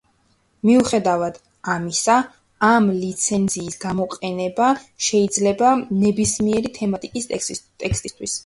მიუხედავად ამისა, ამ ლიცენზიის გამოყენება შეიძლება ნებისმიერი თემატიკის ტექსტისთვის.